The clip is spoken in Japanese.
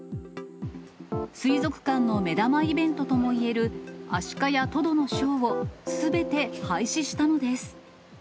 水族館の目玉イベントともいえる、アシカやトドのショーをすべて廃止したのです。